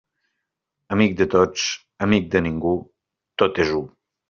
Amic de tots, amic de ningú, tot és u.